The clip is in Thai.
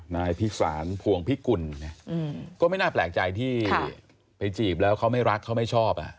นายพิสารพวงพิกุลก็ไม่น่าแปลกใจที่ไปจีบแล้วเขาไม่รักเขาไม่ชอบ